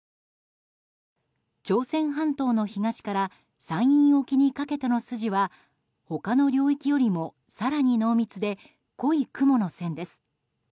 朝鮮半島の東から山陰沖にかけての筋は他の領域よりも更に濃密で濃い雲の線です。